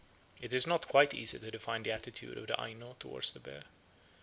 It is not quite easy to define the attitude of the Aino towards the bear.